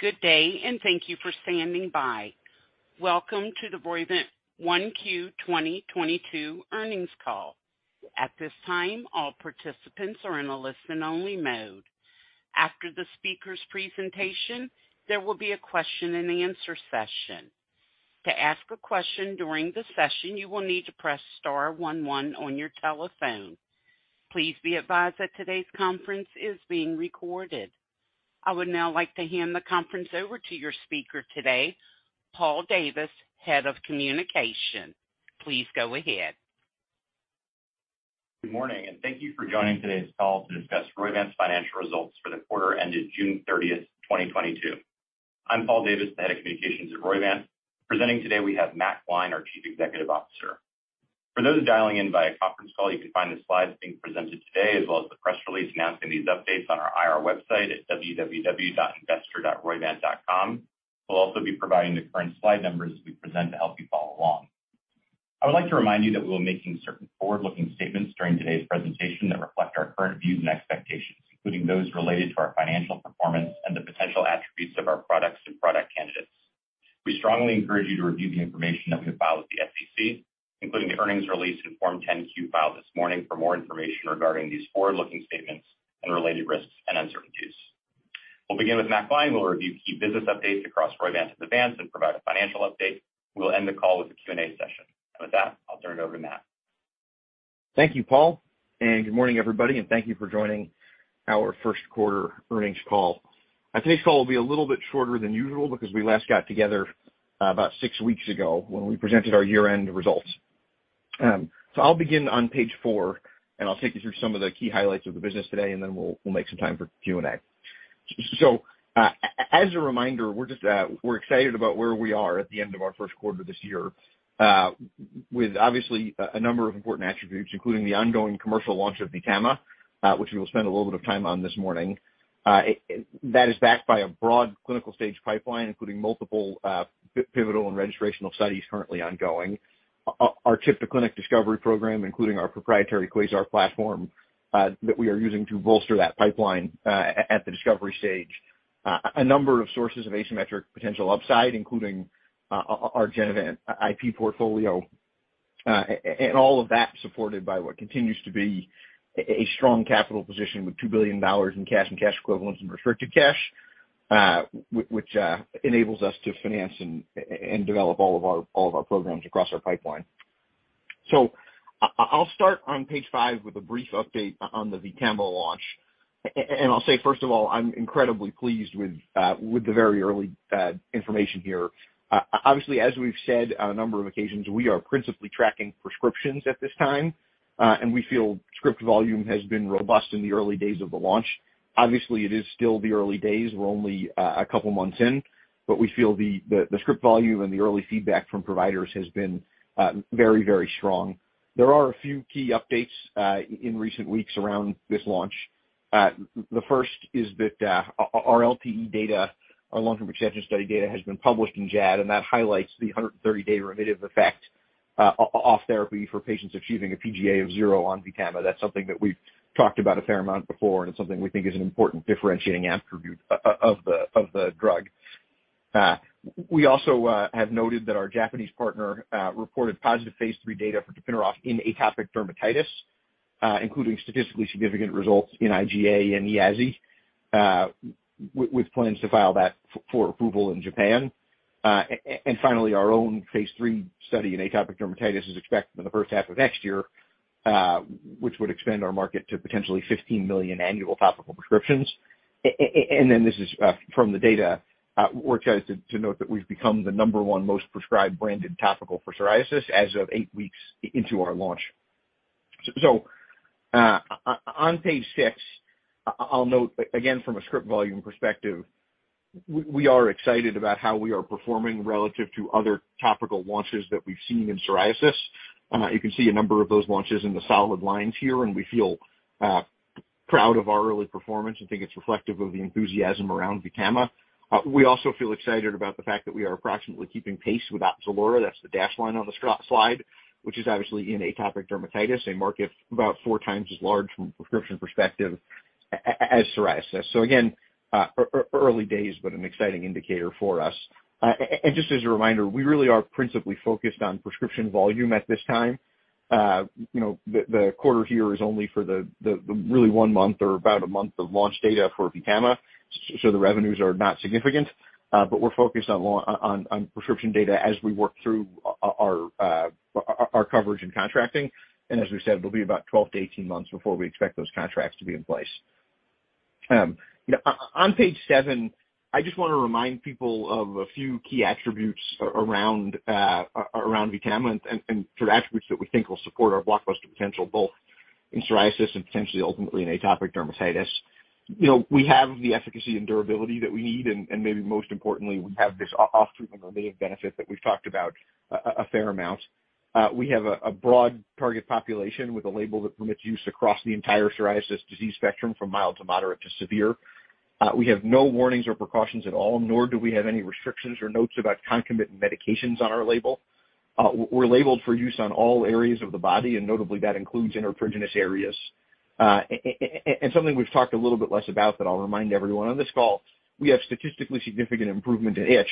Good day, and thank you for standing by. Welcome to the Roivant Q1 2022 earnings call. At this time, all participants are in a listen-only mode. After the speaker's presentation, there will be a question-and-answer session. To ask a question during the session, you will need to press star one one on your telephone. Please be advised that today's conference is being recorded. I would now like to hand the conference over to your speaker today, Paul Davis, Head of Communications. Please go ahead. Good morning, and thank you for joining today's call to discuss Roivant's financial results for the quarter ended June 30, 2022. I'm Paul Davis, Head of Communications at Roivant. Presenting today we have Matthew Gline, our Chief Executive Officer. For those dialing in via conference call, you can find the slides being presented today as well as the press release announcing these updates on our IR website at www.investor.roivant.com. We'll also be providing the current slide numbers as we present to help you follow along. I would like to remind you that we're making certain forward-looking statements during today's presentation that reflect our current views and expectations, including those related to our financial performance and the potential attributes of our products and product candidates. We strongly encourage you to review the information that we have filed with the SEC, including the earnings release and Form 10-Q filed this morning for more information regarding these forward-looking statements and related risks and uncertainties. We'll begin with Matthew Gline, who will review key business updates across Roivant and Vants and provide a financial update. We'll end the call with the Q&A session. With that, I'll turn it over to Matthew Gline. Thank you, Paul, and good morning, everybody, and thank you for joining our first quarter earnings call. Today's call will be a little bit shorter than usual because we last got together about six weeks ago when we presented our year-end results. I'll begin on page 4, and I'll take you through some of the key highlights of the business today, and then we'll make some time for Q&A. As a reminder, we're excited about where we are at the end of our first quarter this year with obviously a number of important attributes, including the ongoing commercial launch of VTAMA, which we will spend a little bit of time on this morning. That is backed by a broad clinical stage pipeline, including multiple pivotal and registrational studies currently ongoing. Our target to clinic discovery program, including our proprietary QuEEN platform, that we are using to bolster that pipeline at the discovery stage. A number of sources of asymmetric potential upside, including our Genevant IP portfolio, and all of that supported by what continues to be a strong capital position with $2 billion in cash and cash equivalents and restricted cash, which enables us to finance and develop all of our programs across our pipeline. I'll start on page 5 with a brief update on the VTAMA launch. I'll say, first of all, I'm incredibly pleased with the very early information here. Obviously, as we've said on a number of occasions, we are principally tracking prescriptions at this time, and we feel script volume has been robust in the early days of the launch. Obviously, it is still the early days. We're only a couple months in, but we feel the script volume and the early feedback from providers has been very strong. There are a few key updates in recent weeks around this launch. The first is that our LTE data, our long-term extension study data, has been published in JAAD, and that highlights the 130-day remittive effect off therapy for patients achieving a PGA of 0 on VTAMA. That's something that we've talked about a fair amount before, and it's something we think is an important differentiating attribute of the drug. We also have noted that our Japanese partner reported positive phase 3 data for Tapinarof in atopic dermatitis, including statistically significant results in IGA and EASI, with plans to file that for approval in Japan. Finally, our own phase 3 study in atopic dermatitis is expected in the first half of next year, which would expand our market to potentially 15 million annual topical prescriptions. This is from the data, we're excited to note that we've become the number one most prescribed branded topical for psoriasis as of 8 weeks into our launch. On page 6, I'll note again from a script volume perspective, we are excited about how we are performing relative to other topical launches that we've seen in psoriasis. You can see a number of those launches in the solid lines here, and we feel proud of our early performance and think it's reflective of the enthusiasm around VTAMA. We also feel excited about the fact that we are approximately keeping pace with Opzelura, that's the dashed line on the slide, which is obviously in atopic dermatitis, a market about four times as large from a prescription perspective as psoriasis. Again, early days, but an exciting indicator for us. Just as a reminder, we really are principally focused on prescription volume at this time. You know, the quarter here is only for the really one month or about a month of launch data for VTAMA, so the revenues are not significant, but we're focused on prescription data as we work through our coverage and contracting. As we've said, it'll be about 12-18 months before we expect those contracts to be in place. On page seven, I just want to remind people of a few key attributes around VTAMA and sort of attributes that we think will support our blockbuster potential, both in psoriasis and potentially ultimately in atopic dermatitis. You know, we have the efficacy and durability that we need, and maybe most importantly, we have this off-treatment remittive benefit that we've talked about a fair amount. We have a broad target population with a label that permits use across the entire psoriasis disease spectrum, from mild to moderate to severe. We have no warnings or precautions at all, nor do we have any restrictions or notes about concomitant medications on our label. We're labeled for use on all areas of the body, and notably that includes intertriginous areas. And something we've talked a little bit less about that I'll remind everyone on this call, we have statistically significant improvement in itch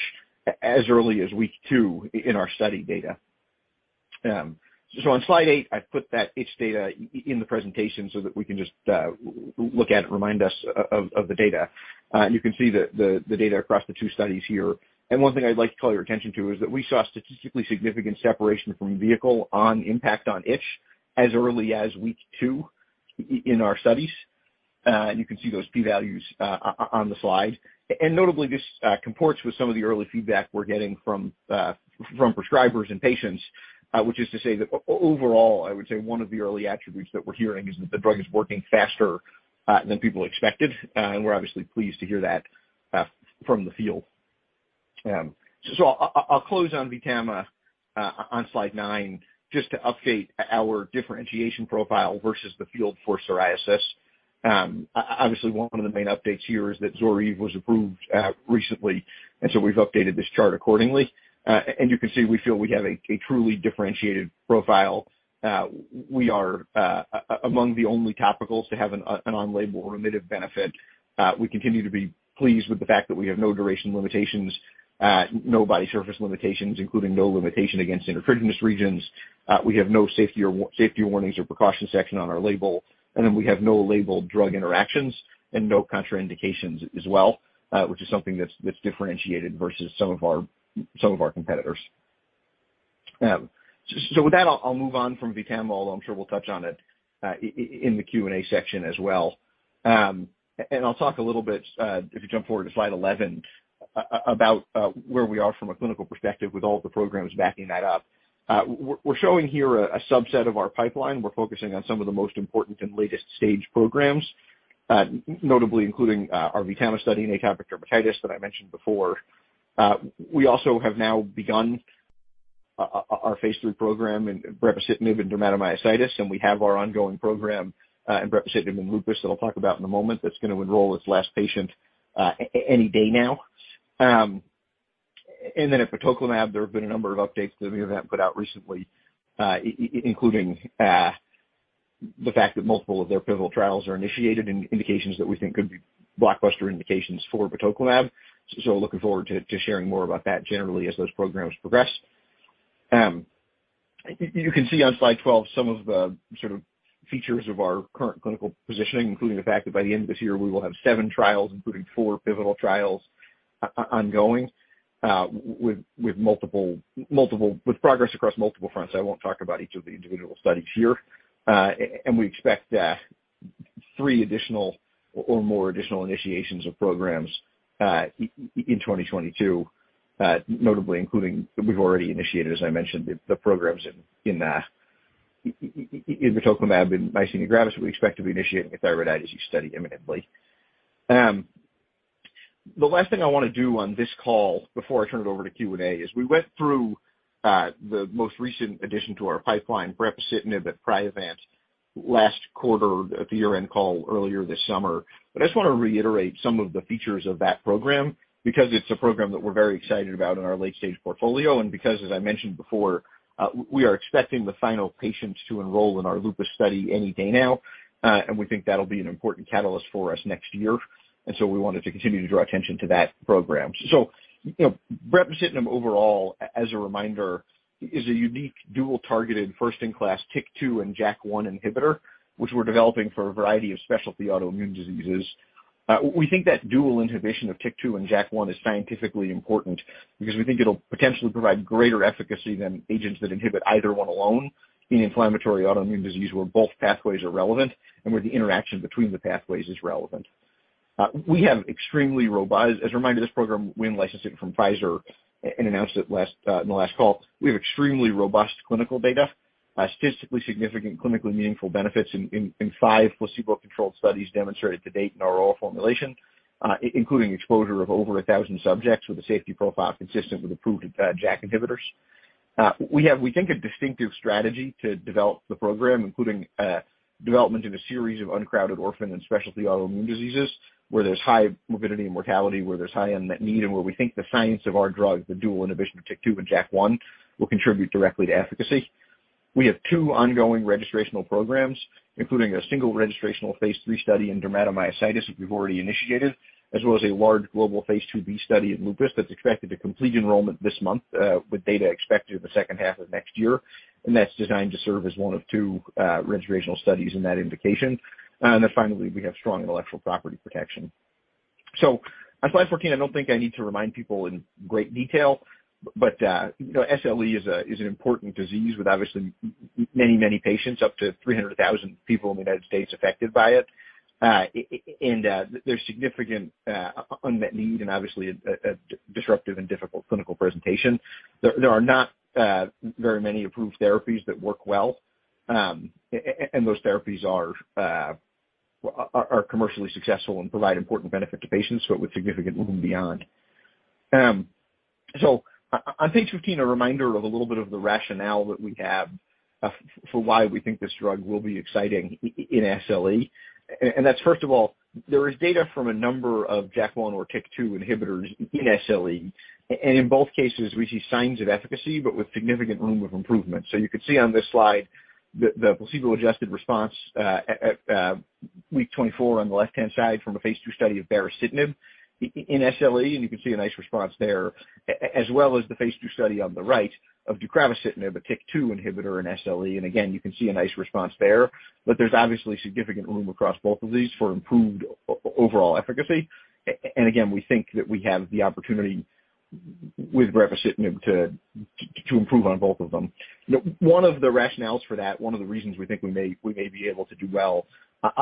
as early as week 2 in our study data. On slide 8, I've put that itch data in the presentation so that we can just look at it, remind us of the data. You can see the data across the 2 studies here. One thing I'd like to call your attention to is that we saw statistically significant separation from vehicle on impact on itch as early as week 2 in our studies. You can see those P values on the slide. Notably, this comports with some of the early feedback we're getting from prescribers and patients, which is to say that overall, I would say one of the early attributes that we're hearing is that the drug is working faster than people expected, and we're obviously pleased to hear that from the field. I'll close on VTAMA on slide 9, just to update our differentiation profile versus the field for psoriasis. Obviously one of the main updates here is that ZORYVE was approved recently, and we've updated this chart accordingly. You can see we feel we have a truly differentiated profile. We are among the only topicals to have an on-label remittive benefit. We continue to be pleased with the fact that we have no duration limitations, no body surface limitations, including no limitation against intertriginous regions. We have no safety warnings or precaution section on our label. We have no label drug interactions and no contraindications as well, which is something that's differentiated versus some of our competitors. So with that, I'll move on from VTAMA, although I'm sure we'll touch on it in the Q&A section as well. I'll talk a little bit, if you jump forward to slide 11, about where we are from a clinical perspective with all of the programs backing that up. We're showing here a subset of our pipeline. We're focusing on some of the most important and latest stage programs, notably including our VTAMA study in atopic dermatitis that I mentioned before. We also have now begun our phase 3 program in brepocitinib and dermatomyositis, and we have our ongoing program in brepocitinib in lupus that I'll talk about in a moment that's going to enroll its last patient any day now. At batoclimab, there have been a number of updates that we have put out recently, including the fact that multiple of their pivotal trials are initiated in indications that we think could be blockbuster indications for batoclimab. Looking forward to sharing more about that generally as those programs progress. You can see on slide 12 some of the sort of features of our current clinical positioning, including the fact that by the end of this year, we will have 7 trials, including 4 pivotal trials ongoing, with progress across multiple fronts. I won't talk about each of the individual studies here. We expect 3 or more additional initiations of programs in 2022, notably including we've already initiated, as I mentioned, the programs in batoclimab in myasthenia gravis. We expect to be initiating a thyroid eye disease study imminently. The last thing I want to do on this call before I turn it over to Q&A is we went through the most recent addition to our pipeline, brepocitinib at Priovant last quarter at the year-end call earlier this summer. I just want to reiterate some of the features of that program because it's a program that we're very excited about in our late-stage portfolio, and because, as I mentioned before, we are expecting the final patients to enroll in our lupus study any day now, and we think that'll be an important catalyst for us next year. We wanted to continue to draw attention to that program. You know, brepocitinib overall, as a reminder, is a unique dual-targeted first-in-class TYK2 and JAK1 inhibitor, which we're developing for a variety of specialty autoimmune diseases. We think that dual inhibition of TYK2 and JAK1 is scientifically important because we think it'll potentially provide greater efficacy than agents that inhibit either one alone in inflammatory autoimmune disease where both pathways are relevant and where the interaction between the pathways is relevant. We have extremely robust. As a reminder, this program, we licensed it from Pfizer and announced it last, in the last call. We have extremely robust clinical data, statistically significant, clinically meaningful benefits in five placebo-controlled studies demonstrated to date in our oral formulation, including exposure of over a thousand subjects with a safety profile consistent with approved JAK inhibitors. We have, we think, a distinctive strategy to develop the program, including development in a series of uncrowded orphan and specialty autoimmune diseases where there's high morbidity and mortality, where there's high unmet need, and where we think the science of our drug, the dual inhibition of TYK2 and JAK1, will contribute directly to efficacy. We have two ongoing registrational programs, including a single registrational phase 3 study in dermatomyositis that we've already initiated, as well as a large global phase 2B study in lupus that's expected to complete enrollment this month, with data expected in the second half of next year. That's designed to serve as one of two registrational studies in that indication. Finally, we have strong intellectual property protection. On slide 14, I don't think I need to remind people in great detail, but you know, SLE is an important disease with obviously many patients, up to 300,000 people in the United States affected by it. And there's significant unmet need and obviously a disruptive and difficult clinical presentation. There are not very many approved therapies that work well, and those therapies are commercially successful and provide important benefit to patients, so with significant room beyond. On page 15, a reminder of a little bit of the rationale that we have for why we think this drug will be exciting in SLE. That's first of all, there is data from a number of JAK1 or TYK2 inhibitors in SLE. In both cases, we see signs of efficacy, but with significant room of improvement. You can see on this slide the placebo-adjusted response at week 24 on the left-hand side from a phase 2 study of baricitinib in SLE, and you can see a nice response there, as well as the phase 2 study on the right of deucravacitinib, a TYK2 inhibitor in SLE. Again, you can see a nice response there. There's obviously significant room across both of these for improved overall efficacy. Again, we think that we have the opportunity with brepocitinib to improve on both of them. One of the rationales for that, one of the reasons we think we may be able to do well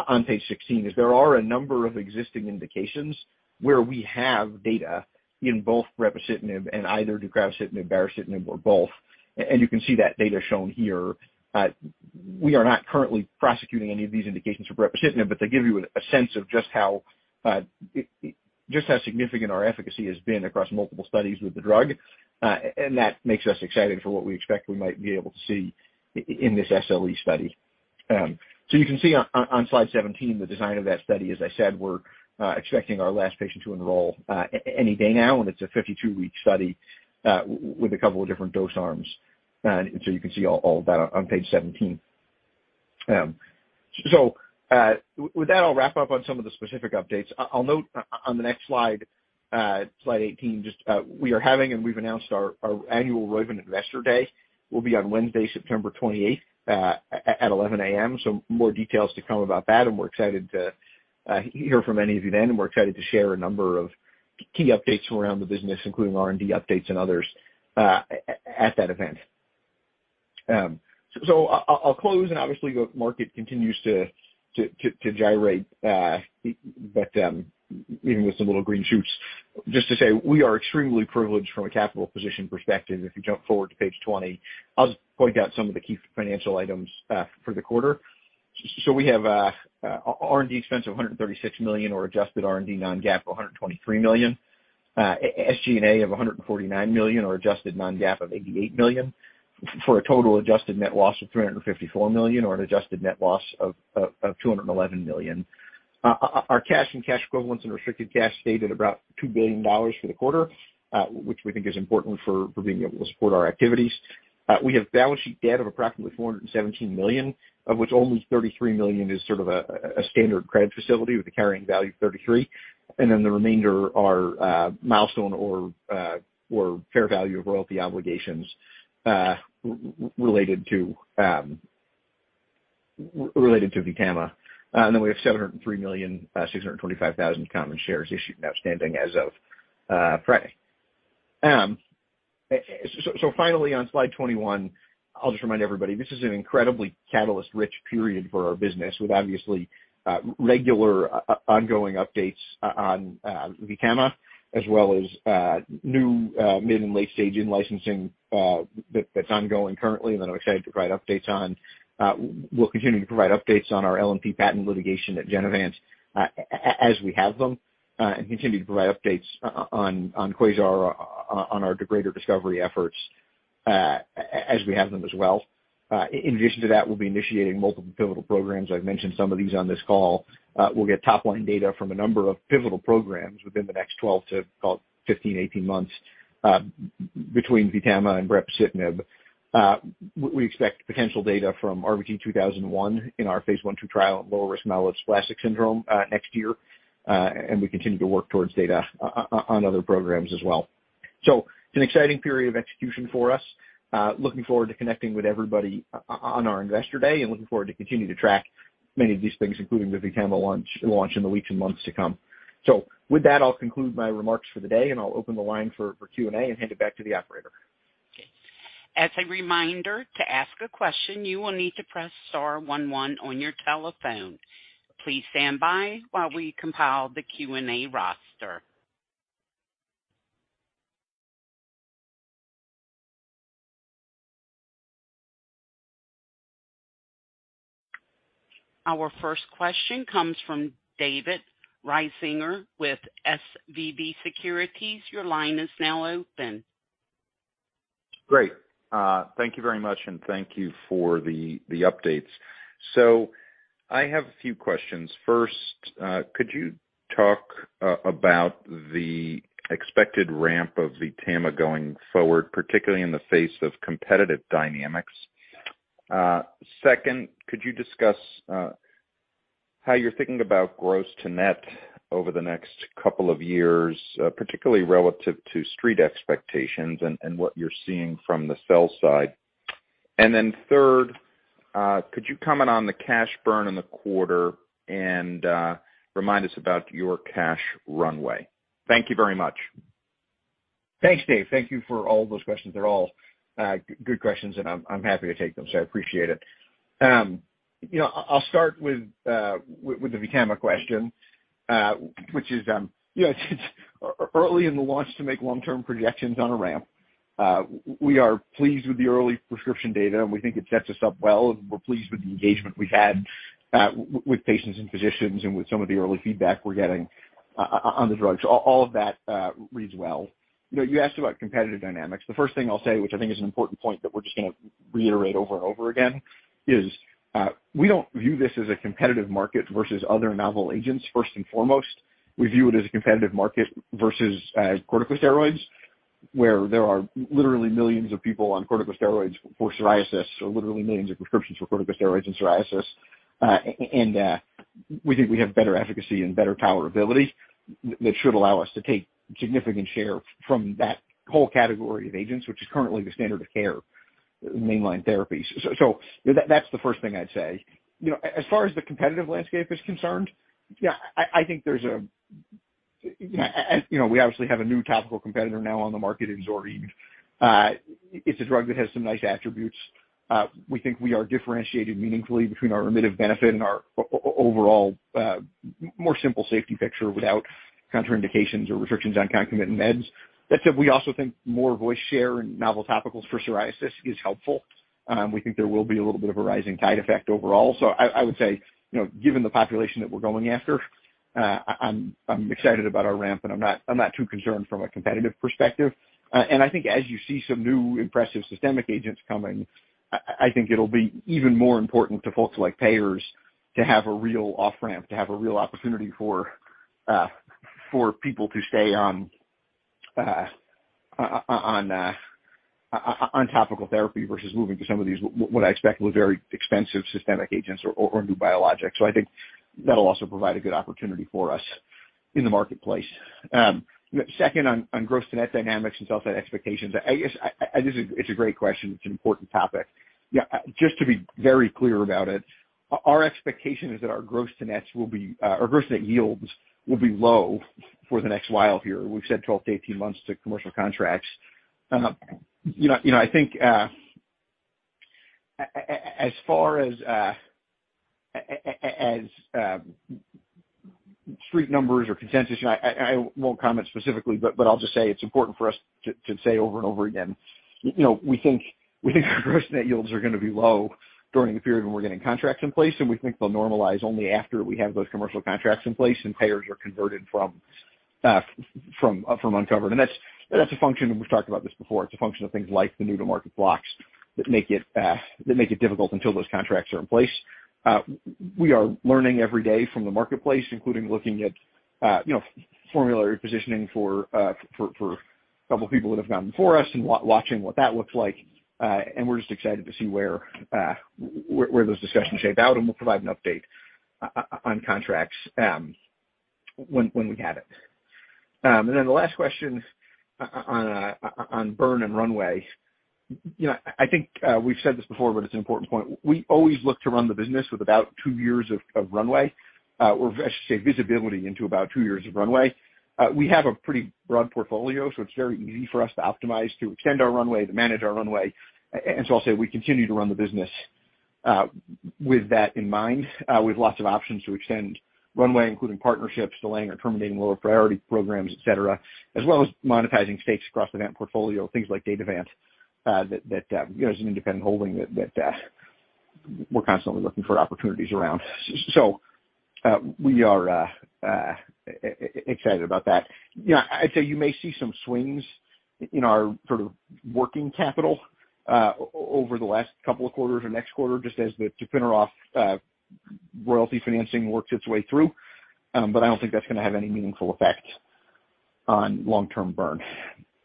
on page sixteen is there are a number of existing indications where we have data in both brepocitinib and either deucravacitinib, baricitinib or both. You can see that data shown here. We are not currently prosecuting any of these indications for brepocitinib, but they give you a sense of just how significant our efficacy has been across multiple studies with the drug. That makes us excited for what we expect we might be able to see in this SLE study. You can see on slide 17 the design of that study. As I said, we're expecting our last patient to enroll any day now. It's a 52-week study with a couple of different dose arms. You can see all of that on page 17. With that, I'll wrap up on some of the specific updates. I'll note on the next slide 18, just we are having and we've announced our annual Roivant Investor Day will be on Wednesday, September 28, at 11:00 A.M. More details to come about that. We're excited to hear from any of you then. We're excited to share a number of key updates around the business, including R&D updates and others, at that event. I'll close and obviously the market continues to gyrate, but even with some little green shoots, just to say we are extremely privileged from a capital position perspective. If you jump forward to page 20, I'll just point out some of the key financial items for the quarter. We have R&D expense of $136 million or adjusted R&D non-GAAP, $123 million. SG&A of $149 million or adjusted non-GAAP of $88 million, for a total adjusted net loss of $354 million or an adjusted net loss of $211 million. Our cash and cash equivalents and restricted cash stayed at about $2 billion for the quarter, which we think is important for being able to support our activities. We have balance sheet debt of approximately $417 million, of which only $33 million is sort of a standard credit facility with a carrying value of $33. The remainder are milestone or fair value of royalty obligations related to VTAMA. We have 703,625,000 common shares issued and outstanding as of Friday. Finally on slide 21, I'll just remind everybody this is an incredibly catalyst-rich period for our business with obviously regular ongoing updates on VTAMA, as well as new mid- and late-stage in-licensing that's ongoing currently, and that I'm excited to provide updates on. We'll continue to provide updates on our LNP patent litigation at Genevant as we have them, and continue to provide updates on QuEEN on our greater discovery efforts, as we have them as well. In addition to that, we'll be initiating multiple pivotal programs. I've mentioned some of these on this call. We'll get top line data from a number of pivotal programs within the next 12 to call it 15, 18 months, between VTAMA and brepocitinib. We expect potential data from RVT-2001 in our phase 1/2 trial at lower risk myelodysplastic syndrome, next year. We continue to work towards data on other programs as well. It's an exciting period of execution for us. Looking forward to connecting with everybody on our Investor Day and looking forward to continue to track many of these things, including the VTAMA launch in the weeks and months to come. With that, I'll conclude my remarks for the day and I'll open the line for Q&A and hand it back to the operator. As a reminder, to ask a question, you will need to press star one one on your telephone. Please stand by while we compile the Q&A roster. Our first question comes from David Risinger with SVB Securities. Your line is now open. Great. Thank you very much, and thank you for the updates. I have a few questions. First, could you talk about the expected ramp of VTAMA going forward, particularly in the face of competitive dynamics? Second, could you discuss how you're thinking about gross to net over the next couple of years, particularly relative to street expectations and what you're seeing from the sell side? Then third, could you comment on the cash burn in the quarter and remind us about your cash runway? Thank you very much. Thanks, Dave. Thank you for all those questions. They're all good questions and I'm happy to take them, so I appreciate it. You know, I'll start with the VTAMA question, which is, you know, it's early in the launch to make long-term projections on a ramp. We are pleased with the early prescription data, and we think it sets us up well, and we're pleased with the engagement we've had with patients and physicians and with some of the early feedback we're getting on the drug. So all of that reads well. You know, you asked about competitive dynamics. The first thing I'll say, which I think is an important point that we're just gonna reiterate over and over again, is we don't view this as a competitive market versus other novel agents first and foremost. We view it as a competitive market versus corticosteroids, where there are literally millions of people on corticosteroids for psoriasis. Literally millions of prescriptions for corticosteroids and psoriasis. We think we have better efficacy and better tolerability that should allow us to take significant share from that whole category of agents, which is currently the standard of care mainline therapies. That's the first thing I'd say. As far as the competitive landscape is concerned, I think there's a new topical competitor now on the market in ZORYVE. It's a drug that has some nice attributes. We think we are differentiated meaningfully between our remittive benefit and our overall more simple safety picture without contraindications or restrictions on concomitant meds. That said, we also think more voice share and novel topicals for psoriasis is helpful. We think there will be a little bit of a rising tide effect overall. I would say, you know, given the population that we're going after, I'm excited about our ramp, and I'm not too concerned from a competitive perspective. I think as you see some new impressive systemic agents coming, I think it'll be even more important to folks like payers to have a real off-ramp, to have a real opportunity for people to stay on on topical therapy versus moving to some of these what I expect will very expensive systemic agents or new biologics. I think that'll also provide a good opportunity for us in the marketplace. Second, on gross-to-net dynamics and sell-side expectations, I guess this is a great question. It's an important topic. Just to be very clear about it, our expectation is that our gross-to-net yields will be low for the next while here. We've said 12-18 months to commercial contracts. You know, I think as far as street numbers or consensus, you know, I won't comment specifically, but I'll just say it's important for us to say over and over again, you know, we think our gross net yields are gonna be low during the period when we're getting contracts in place, and we think they'll normalize only after we have those commercial contracts in place and payers are converted from uncovered. That's a function, and we've talked about this before. It's a function of things like the new to market blocks that make it difficult until those contracts are in place. We are learning every day from the marketplace, including looking at, you know, formulary positioning for a couple people that have gone before us and watching what that looks like. We're just excited to see where those discussions shake out, and we'll provide an update on contracts when we have it. The last question on burn and runway. You know, I think we've said this before, but it's an important point. We always look to run the business with about 2 years of runway, or I should say visibility into about 2 years of runway. We have a pretty broad portfolio, so it's very easy for us to optimize, to extend our runway, to manage our runway. I'll say we continue to run the business with that in mind. We have lots of options to extend runway, including partnerships, delaying or terminating lower priority programs, et cetera, as well as monetizing stakes across the Vants portfolio, things like Datavant that you know as an independent holding that we're constantly looking for opportunities around. We are excited about that. You know, I'd say you may see some swings in our sort of working capital over the last couple of quarters or next quarter just as the Tapinarof royalty financing works its way through. I don't think that's gonna have any meaningful effect on long-term burn.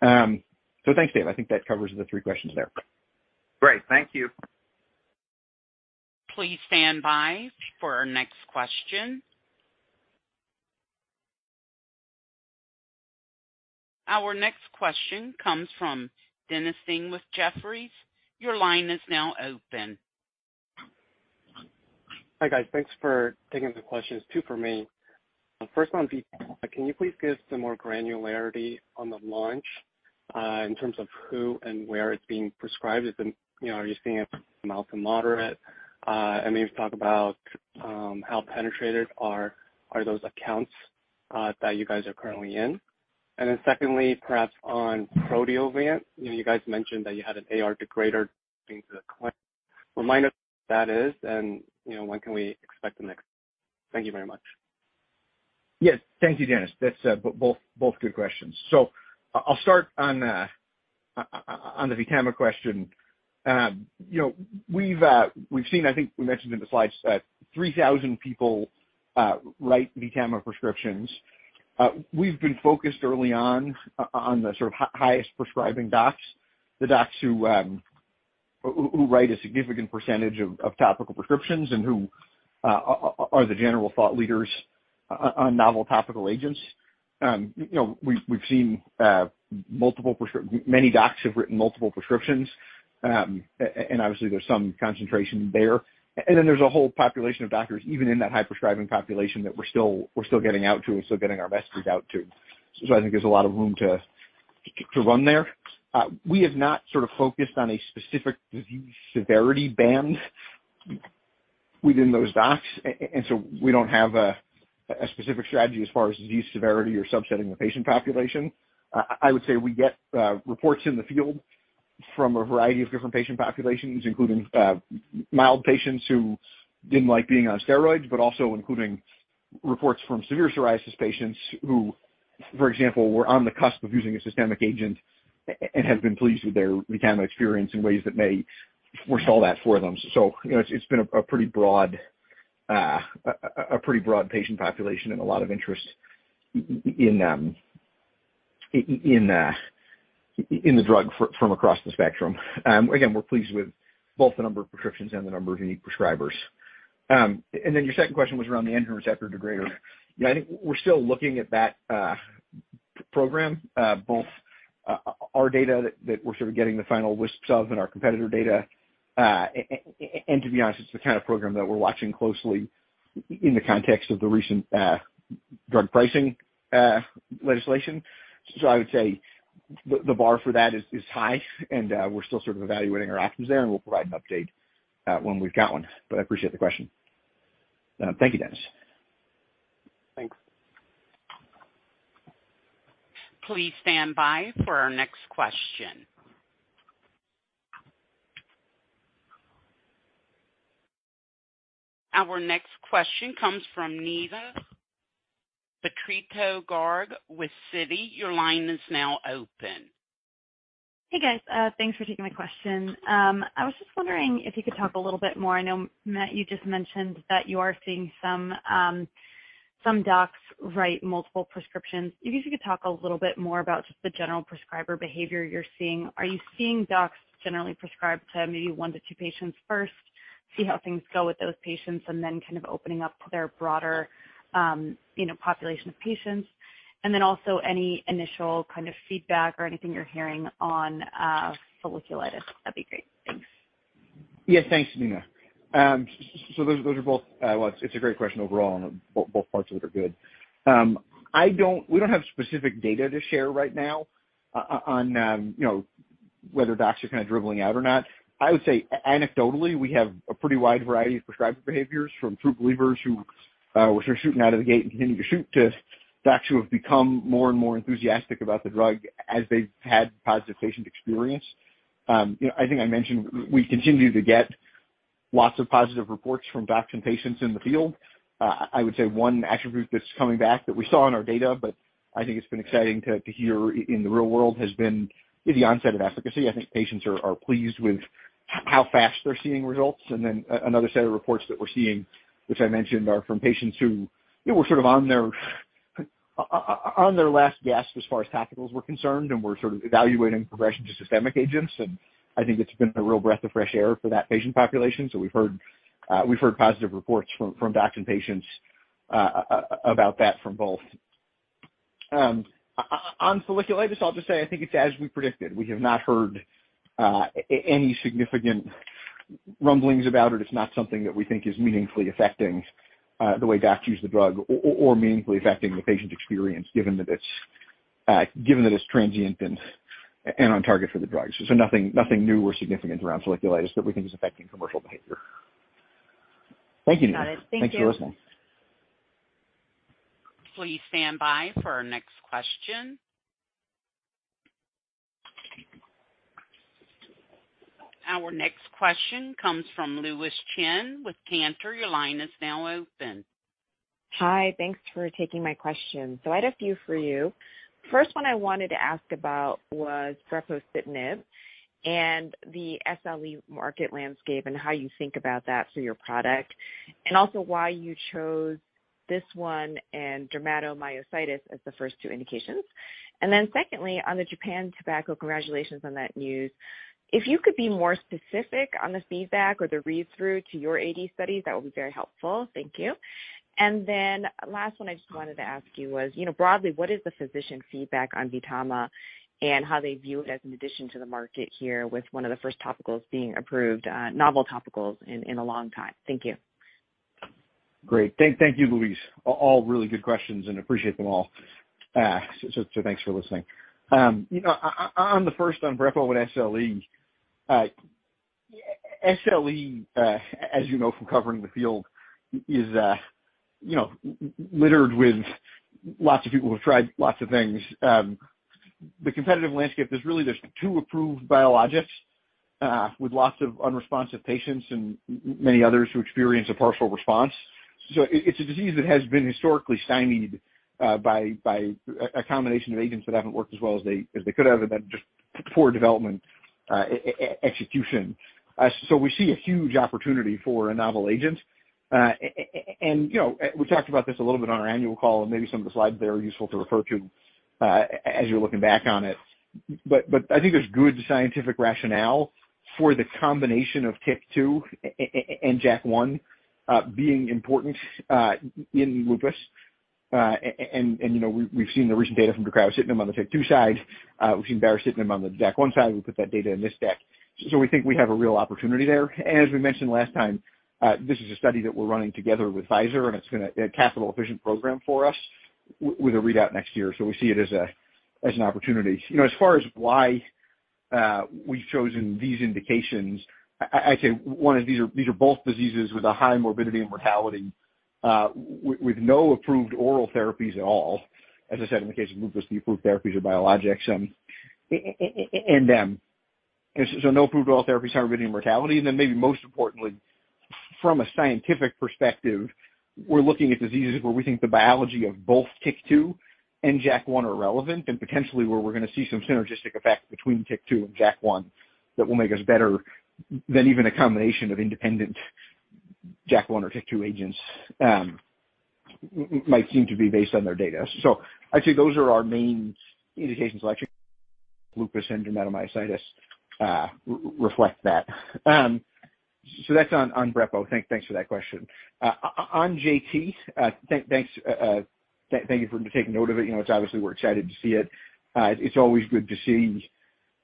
Thanks, Dave. I think that covers the three questions there. Great. Thank you. Please stand by for our next question. Our next question comes from Dennis Ding with Jefferies. Your line is now open. Hi, guys. Thanks for taking the questions. Two for me. First one, can you please give some more granularity on the launch in terms of who and where it's being prescribed? You know, are you seeing it mild to moderate? And maybe talk about how penetrated are those accounts that you guys are currently in. Then secondly, perhaps on Priovant. You know, you guys mentioned that you had an AR degrader. Remind us what that is, and you know, when can we expect the next? Thank you very much. Yes. Thank you, Dennis. That's both good questions. I'll start on the VTAMA question. You know, we've seen I think we mentioned in the slides, 3,000 people write VTAMA prescriptions. We've been focused early on the sort of highest prescribing docs, the docs who who write a significant percentage of topical prescriptions and who are the general thought leaders on novel topical agents. You know, we've seen many docs have written multiple prescriptions. And obviously, there's some concentration there. Then there's a whole population of doctors, even in that high prescribing population that we're still getting out to, we're still getting our message out to. I think there's a lot of room to run there. We have not sort of focused on a specific disease severity band. Within those docs. We don't have a specific strategy as far as disease severity or subsetting the patient population. I would say we get reports in the field from a variety of different patient populations, including mild patients who didn't like being on steroids, but also including reports from severe psoriasis patients who, for example, were on the cusp of using a systemic agent and have been pleased with their VTAMA experience in ways that may forestall that for them. You know, it's been a pretty broad patient population and a lot of interest in the drug from across the spectrum. We're pleased with both the number of prescriptions and the number of unique prescribers. Your second question was around the androgen receptor degrader. You know, I think we're still looking at that program, both our data that we're sort of getting the final wisps of and our competitor data. To be honest, it's the kind of program that we're watching closely in the context of the recent drug pricing legislation. I would say the bar for that is high and we're still sort of evaluating our options there, and we'll provide an update when we've got one. I appreciate the question. Thank you, Dennis. Thanks. Please stand by for our next question. Our next question comes from Neena Bitritto-Garg with Citi. Your line is now open. Hey, guys. Thanks for taking my question. I was just wondering if you could talk a little bit more. I know, Matt, you just mentioned that you are seeing some docs write multiple prescriptions. If you could talk a little bit more about just the general prescriber behavior you're seeing. Are you seeing docs generally prescribe to maybe 1-2 patients first, see how things go with those patients, and then kind of opening up their broader, you know, population of patients? And then also any initial kind of feedback or anything you're hearing on folliculitis, that'd be great. Thanks. Yes, thanks, Neena. Well, it's a great question overall, and both parts of it are good. We don't have specific data to share right now on, you know, whether docs are kind of dribbling out or not. I would say anecdotally, we have a pretty wide variety of prescriber behaviors from true believers who are shooting out of the gate and continuing to shoot to docs who have become more and more enthusiastic about the drug as they've had positive patient experience. You know, I think I mentioned we continue to get lots of positive reports from docs and patients in the field. I would say one attribute that's coming back that we saw in our data, but I think it's been exciting to hear in the real world has been the onset of efficacy. I think patients are pleased with how fast they're seeing results. Another set of reports that we're seeing, which I mentioned, are from patients who, you know, were sort of on their last gasp as far as topicals were concerned and were sort of evaluating progression to systemic agents. I think it's been a real breath of fresh air for that patient population. We've heard positive reports from docs and patients about that from both. On folliculitis, I'll just say I think it's as we predicted. We have not heard any significant rumblings about it. It's not something that we think is meaningfully affecting the way docs use the drug or meaningfully affecting the patient experience given that it's transient and on target for the drug. Nothing new or significant around folliculitis that we think is affecting commercial behavior. Thank you, Neena. Got it. Thank you. Thanks for listening. Please stand by for our next question. Our next question comes from Louise Chen with Cantor. Your line is now open. Hi. Thanks for taking my question. I had a few for you. First one I wanted to ask about was brepocitinib and the SLE market landscape and how you think about that for your product, and also why you chose this one and dermatomyositis as the first two indications. Secondly, on the Japan Tobacco, congratulations on that news. If you could be more specific on the feedback or the read-through to your AD studies, that would be very helpful. Thank you. Last one I just wanted to ask you was, you know, broadly, what is the physician feedback on VTAMA and how they view it as an addition to the market here with one of the first topicals being approved, novel topicals in a long time? Thank you. Great. Thank you, Louise. All really good questions, and appreciate them all. So thanks for listening. You know, on the first on brepo with SLE, as you know from covering the field, is, you know, littered with lots of people who have tried lots of things. The competitive landscape is really, there's two approved biologics, with lots of unresponsive patients and many others who experience a partial response. It's a disease that has been historically stymied by a combination of agents that haven't worked as well as they could have and then just poor development, execution. So we see a huge opportunity for a novel agent. You know, we talked about this a little bit on our annual call, and maybe some of the slides there are useful to refer to, as you're looking back on it. I think there's good scientific rationale for the combination of TYK2 and JAK1 being important in lupus. You know, we've seen the recent data from baricitinib on the TYK2 side. We've seen baricitinib on the JAK1 side. We put that data in this deck. We think we have a real opportunity there. As we mentioned last time, this is a study that we're running together with Pfizer, and it's gonna be a capital efficient program for us with a readout next year. We see it as an opportunity. You know, as far as why we've chosen these indications. I'd say these are both diseases with a high morbidity and mortality with no approved oral therapies at all. As I said, in the case of lupus, the approved therapies are biologics in them. No approved oral therapies, high morbidity and mortality. Then maybe most importantly, from a scientific perspective, we're looking at diseases where we think the biology of both TYK2 and JAK1 are relevant and potentially where we're going to see some synergistic effect between TYK2 and JAK1 that will make us better than even a combination of independent JAK1 or TYK2 agents might seem to be based on their data. I'd say those are our main indications, like lupus and dermatomyositis reflect that. That's on brepocitinib. Thanks for that question. On JT, thanks, thank you for taking note of it. You know, it's obviously we're excited to see it. It's always good to see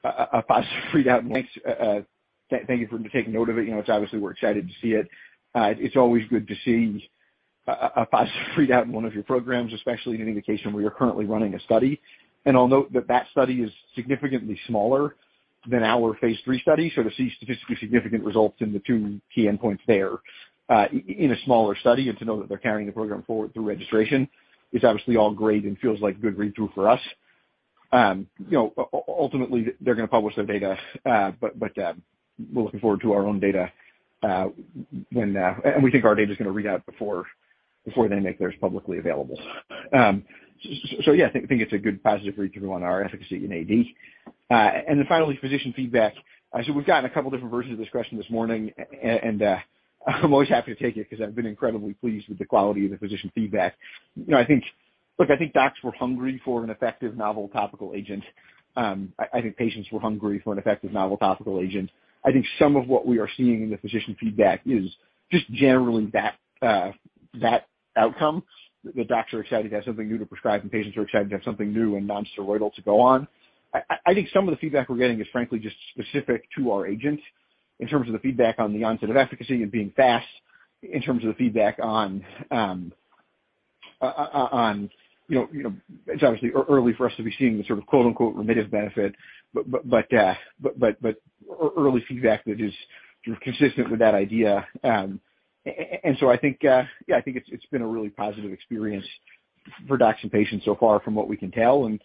a positive readout in one of your programs, especially in an indication where you're currently running a study. I'll note that study is significantly smaller than our phase III study. To see statistically significant results in the two key endpoints there, in a smaller study and to know that they're carrying the program forward through registration is obviously all great and feels like good read-through for us. You know, ultimately, they're going to publish their data, but we're looking forward to our own data, and we think our data is going to read out before they make theirs publicly available. Yeah, I think it's a good positive read-through on our efficacy in AD. Finally, physician feedback. We've gotten a couple different versions of this question this morning, and I'm always happy to take it because I've been incredibly pleased with the quality of the physician feedback. You know, I think, look, I think docs were hungry for an effective novel topical agent. I think patients were hungry for an effective novel topical agent. I think some of what we are seeing in the physician feedback is just generally that outcome. The docs are excited to have something new to prescribe, and patients are excited to have something new and non-steroidal to go on. I think some of the feedback we're getting is frankly just specific to our agent in terms of the feedback on the onset of efficacy and being fast in terms of the feedback on you know, it's obviously early for us to be seeing the sort of quote-unquote remittive benefit. Early feedback that is consistent with that idea. So I think yeah, I think it's been a really positive experience for docs and patients so far from what we can tell and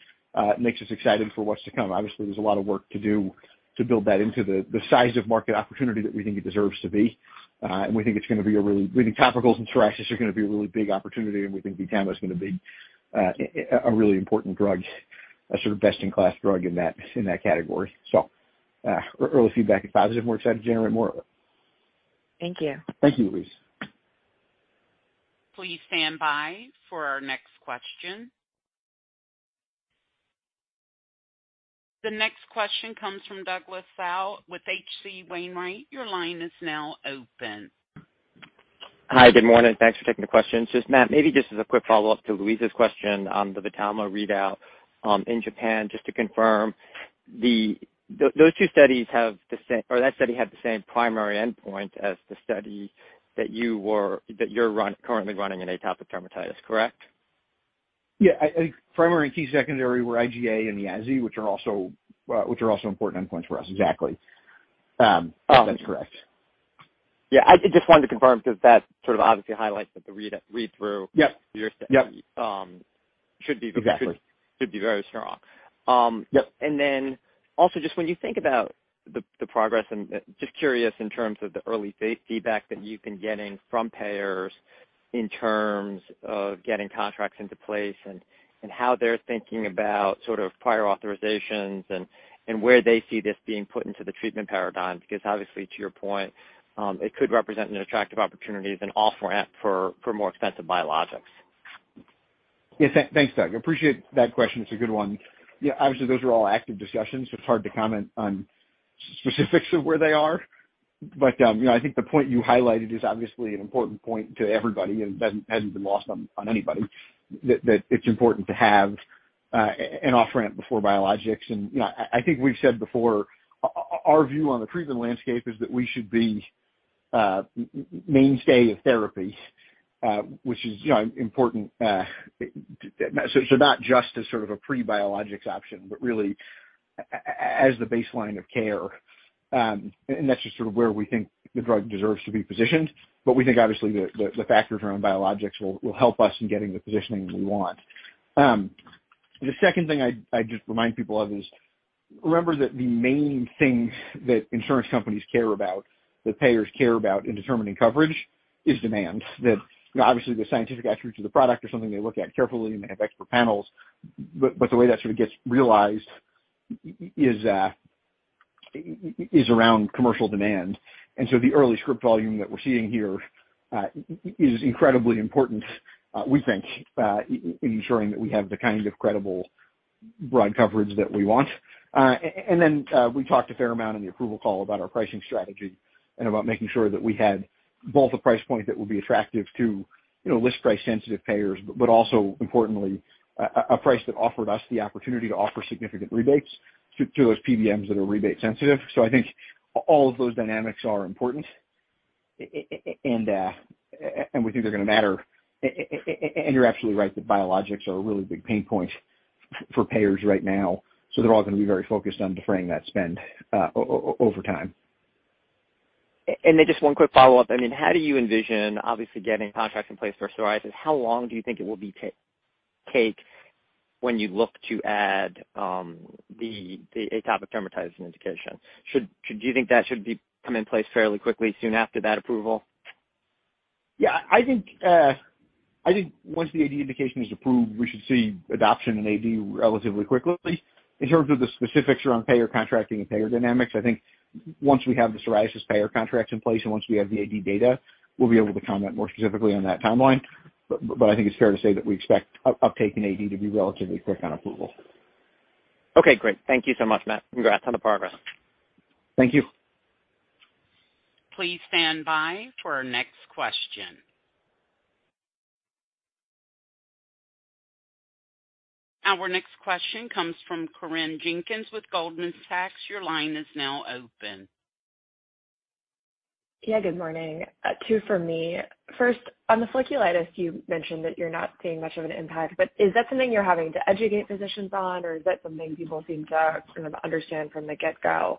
makes us excited for what's to come. Obviously, there's a lot of work to do to build that into the size of market opportunity that we think it deserves to be. We think topicals and psoriasis are going to be a really big opportunity, and we think VTAMA is going to be a really important drug, a sort of best-in-class drug in that category. Early feedback is positive. We're excited to generate more of it. Thank you. Thank you, Louise. Please stand by for our next question. The next question comes from Douglas Tsao with H.C. Wainwright. Your line is now open. Hi. Good morning. Thanks for taking the questions. Just, Matt, maybe just as a quick follow-up to Louise's question on the VTAMA readout, in Japan, just to confirm, those two studies have the same or that study had the same primary endpoint as the study that you're currently running in atopic dermatitis, correct? Yeah. I think primary and key secondary were IGA and EASI, which are also important endpoints for us. Exactly. That is correct. Yeah. I just wanted to confirm because that sort of obviously highlights that the read-through- Yep. Your study should be. Exactly. Should be very strong. Yep. just when you think about the progress and just curious in terms of the early feedback that you've been getting from payers in terms of getting contracts into place and how they're thinking about sort of prior authorizations and where they see this being put into the treatment paradigm. Because obviously, to your point, it could represent an attractive opportunity as an off-ramp for more expensive biologics. Yeah. Thanks, Doug. I appreciate that question. It's a good one. Yeah, obviously, those are all active discussions. It's hard to comment on specifics of where they are. You know, I think the point you highlighted is obviously an important point to everybody and hasn't been lost on anybody that it's important to have an off-ramp before biologics. You know, I think we've said before our view on the treatment landscape is that we should be mainstay of therapy, which is, you know, important, so not just as sort of a pre-biologics option, but really as the baseline of care. That's just sort of where we think the drug deserves to be positioned. We think obviously the factors around biologics will help us in getting the positioning we want. The second thing I'd just remind people of is remember that the main thing that insurance companies care about, that payers care about in determining coverage is demand. That, you know, obviously the scientific attributes of the product are something they look at carefully, and they have expert panels. But the way that sort of gets realized is around commercial demand. The early script volume that we're seeing here is incredibly important, we think, in ensuring that we have the kind of credible broad coverage that we want. We talked a fair amount in the approval call about our pricing strategy and about making sure that we had both a price point that would be attractive to, you know, list price sensitive payers, but also importantly, a price that offered us the opportunity to offer significant rebates to those PBMs that are rebate sensitive. I think all of those dynamics are important. We think they're gonna matter. You're absolutely right that biologics are a really big pain point for payers right now, so they're all gonna be very focused on defraying that spend over time. Just one quick follow-up. I mean, how do you envision obviously getting contracts in place for psoriasis? How long do you think it will take when you look to add the atopic dermatitis indication? Should you think that should come in place fairly quickly soon after that approval? Yeah, I think once the AD indication is approved, we should see adoption in AD relatively quickly. In terms of the specifics around payer contracting and payer dynamics, I think once we have the psoriasis payer contracts in place and once we have the AD data, we'll be able to comment more specifically on that timeline. I think it's fair to say that we expect uptake in AD to be relatively quick on approval. Okay, great. Thank you so much, Matt. Congrats on the progress. Thank you. Please stand by for our next question. Our next question comes from Corinne Jenkins with Goldman Sachs. Your line is now open. Yeah, good morning. Two for me. First, on the folliculitis, you mentioned that you're not seeing much of an impact, but is that something you're having to educate physicians on, or is that something people seem to kind of understand from the get-go?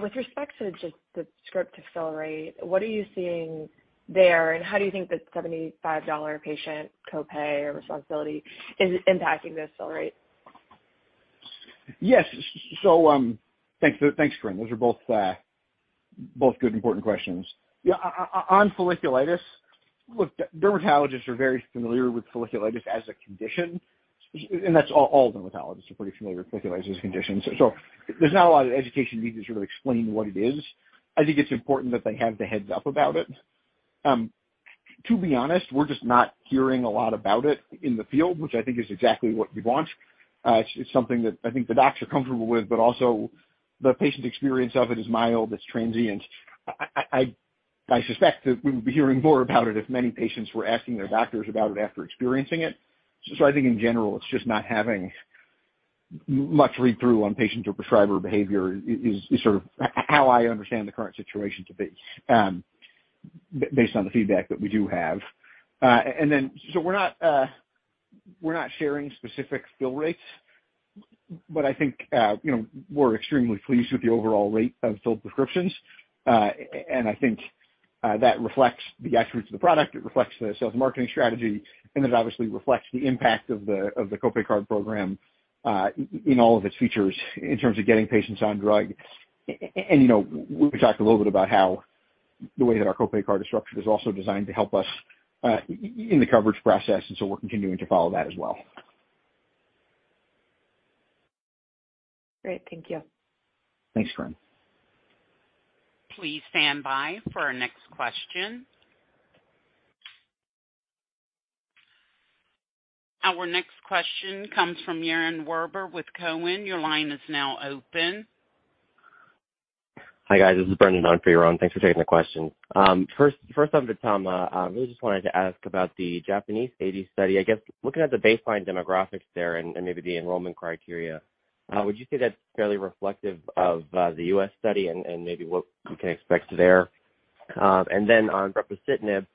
With respect to just the script-to-fill rate, what are you seeing there, and how do you think the $75 patient copay or responsibility is impacting this fill rate? Yes. Thanks, Corinne. Those are both good, important questions. Yeah, on folliculitis, look, dermatologists are very familiar with folliculitis as a condition, and that's all dermatologists are pretty familiar with folliculitis as a condition. There's not a lot of education needed to sort of explain what it is. I think it's important that they have the heads-up about it. To be honest, we're just not hearing a lot about it in the field, which I think is exactly what you'd want. It's something that I think the docs are comfortable with, but also the patient experience of it is mild, it's transient. I suspect that we would be hearing more about it if many patients were asking their doctors about it after experiencing it. I think in general, it's just not having much read-through on patient or prescriber behavior is sort of how I understand the current situation to be, based on the feedback that we do have. We're not sharing specific fill rates, but I think, you know, we're extremely pleased with the overall rate of filled prescriptions. And I think that reflects the attributes of the product, it reflects the sales and marketing strategy, and it obviously reflects the impact of the copay card program in all of its features in terms of getting patients on drug. You know, we talked a little bit about how the way that our copay card is structured is also designed to help us in the coverage process, and we're continuing to follow that as well. Great. Thank you. Thanks, Corinne. Please stand by for our next question. Our next question comes from Yaron Werber with Cowen. Your line is now open. Hi, guys. This is Brendan on for Yaron Werber. Thanks for taking the question. First off, VTAMA, I just wanted to ask about the Japanese AD study. I guess, looking at the baseline demographics there and maybe the enrollment criteria, would you say that's fairly reflective of the US study and maybe what we can expect there? Then on brepocitinib,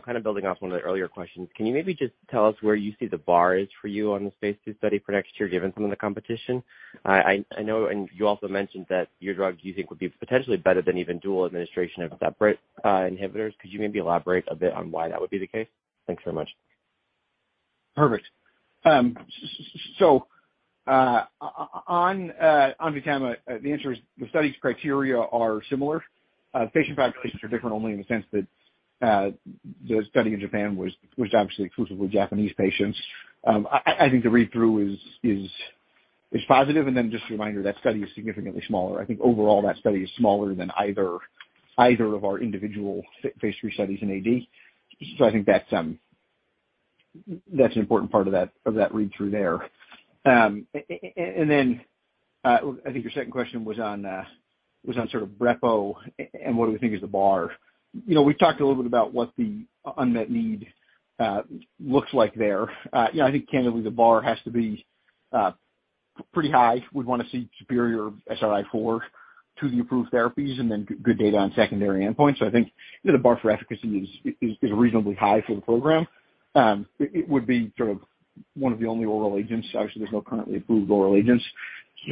kind of building off one of the earlier questions, can you maybe just tell us where you see the bar is for you on the phase 2 study for next year, given some of the competition? I know and you also mentioned that your drug, you think, would be potentially better than even dual administration of separate inhibitors. Could you maybe elaborate a bit on why that would be the case? Thanks so much. Perfect. So, on VTAMA, the answer is the study's criteria are similar. Patient populations are different only in the sense that the study in Japan was obviously exclusively Japanese patients. I think the read-through is positive, and then just a reminder, that study is significantly smaller. I think overall that study is smaller than either of our individual phase three studies in AD. I think that's an important part of that read-through there. And then, I think your second question was on sort of Roivant and what do we think is the bar. You know, we've talked a little bit about what the unmet need looks like there. You know, I think candidly, the bar has to be pretty high. We'd want to see superior SRI-4 to the approved therapies and then good data on secondary endpoints. I think, you know, the bar for efficacy is reasonably high for the program. It would be sort of one of the only oral agents. Obviously, there's no currently approved oral agents.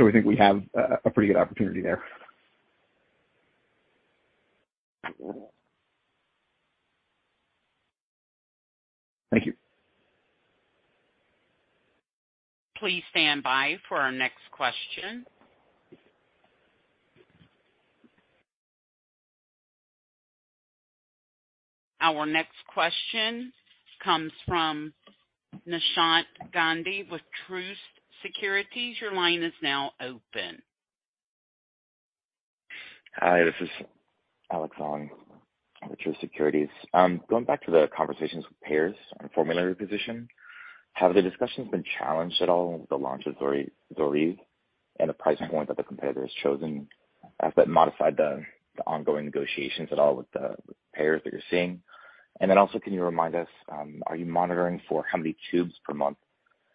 We think we have a pretty good opportunity there. Thank you. Please stand by for our next question. Our next question comes from Nishant Gandhi with Truist Securities. Your line is now open. Hi, this is Alex Hong with Truist Securities. Going back to the conversations with payers on formulary position, have the discussions been challenged at all with the launch of ZORYVE and the pricing point that the competitor has chosen? Has that modified the ongoing negotiations at all with the payers that you're seeing? Then also, can you remind us, are you monitoring for how many tubes per month?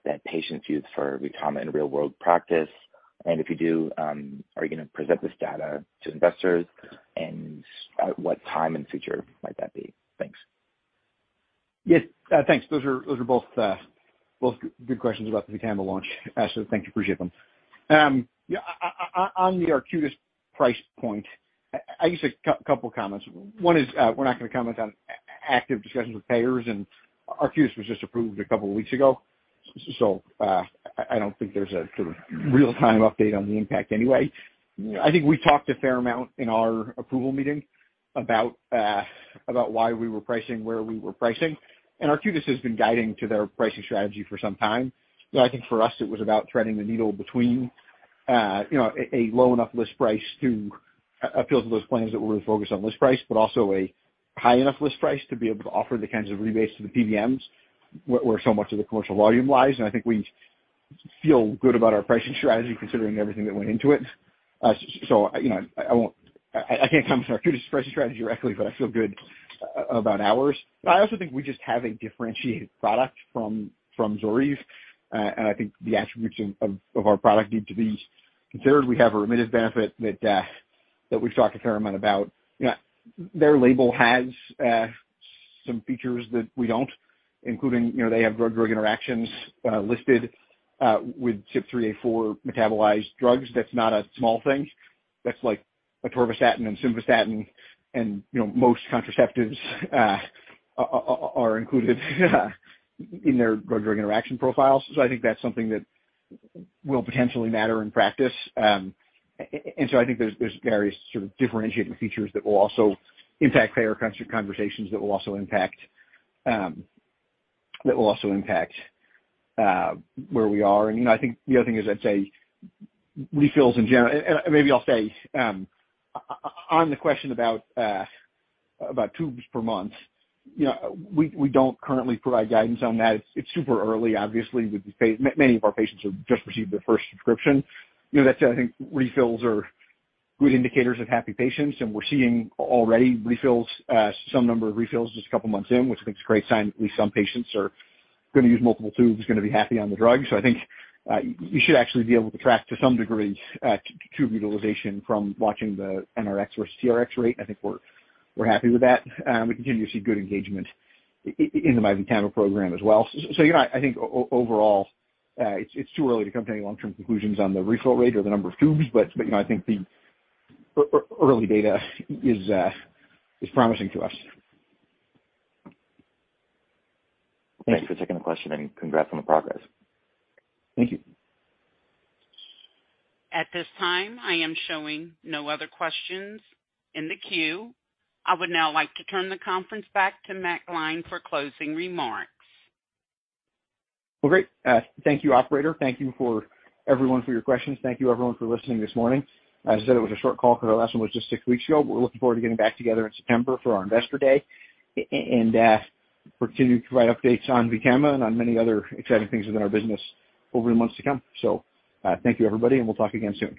That patients use for VTAMA in real world practice, and if you do, are you going to present this data to investors and at what time in the future might that be? Thanks. Yes. Thanks. Those are both good questions about the VTAMA launch, Alex. Thank you. Appreciate them. Yeah, on the Arcutis price point, I guess a couple comments. One is, we're not going to comment on active discussions with payers, and Arcutis was just approved a couple of weeks ago, so, I don't think there's a sort of real-time update on the impact anyway. I think we talked a fair amount in our approval meeting about why we were pricing where we were pricing, and Arcutis has been guiding to their pricing strategy for some time. You know, I think for us it was about threading the needle between, you know, a low enough list price to appeal to those plans that we're really focused on list price, but also a high enough list price to be able to offer the kinds of rebates to the PBMs where so much of the commercial volume lies. I think we feel good about our pricing strategy, considering everything that went into it. You know, I won't. I can't comment on Arcutis pricing strategy directly, but I feel good about ours. I also think we just have a differentiated product from ZORYVE, and I think the attributes of our product need to be considered. We have a remitting benefit that we've talked a fair amount about. You know, their label has some features that we don't, including, you know, they have drug-drug interactions listed with CYP3A4 metabolized drugs. That's not a small thing. That's like atorvastatin and simvastatin and, you know, most contraceptives are included in their drug-drug interaction profiles. I think that's something that will potentially matter in practice. I think there's various sort of differentiating features that will also impact payer conversations that will also impact where we are. You know, I think the other thing is I'd say refills in general. Maybe I'll say on the question about tubes per month, you know, we don't currently provide guidance on that. It's super early, obviously. Many of our patients have just received their first prescription. You know, that said, I think refills are good indicators of happy patients, and we're seeing already refills, some number of refills just a couple months in, which I think is a great sign. At least some patients are going to use multiple tubes, going to be happy on the drug. I think we should actually be able to track to some degree, tube utilization from watching the NRX or TRx rate. I think we're happy with that. We continue to see good engagement in the MyVTAMA program as well. You know, I think overall, it's too early to come to any long-term conclusions on the refill rate or the number of tubes. You know, I think the early data is promising to us. Thanks for taking the question and congrats on the progress. Thank you. At this time, I am showing no other questions in the queue. I would now like to turn the conference back to Matt Gline for closing remarks. Well, great. Thank you, operator. Thank you, everyone, for your questions. Thank you, everyone, for listening this morning. As I said, it was a short call because our last one was just six weeks ago. We're looking forward to getting back together in September for our Investor Day and continue to provide updates on VTAMA and on many other exciting things within our business over the months to come. Thank you, everybody, and we'll talk again soon.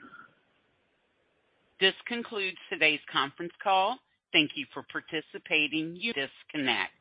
This concludes today's conference call. Thank you for participating. You may disconnect.